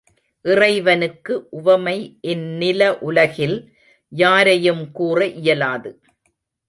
இறைவனுக்கு உவமை இந் நிலஉலகில் யாரையும் கூற இயலாது.